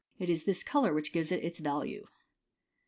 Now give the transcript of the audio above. It is this colour which gives it its Talue.